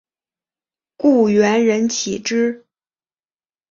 故园人岂知？